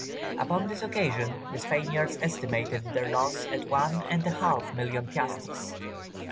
Upon this occasion the Spaniards estimated their loss at one and a half million piastres.